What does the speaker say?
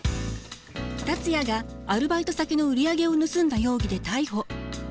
達也がアルバイト先の売り上げを盗んだ容疑で逮捕。